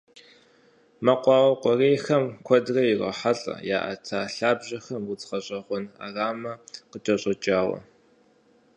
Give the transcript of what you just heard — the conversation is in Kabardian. Мэкъуауэ кӏуэрейхэр куэдрэ ирохьэлӏэ я ӏэтэ лъабжьэхэм удз гъэщӏэгъуэн ӏэрамэ къыкӏэщӏэкӏауэ.